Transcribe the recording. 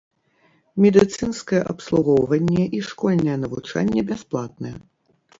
Медыцынскае абслугоўванне і школьнае навучанне бясплатныя.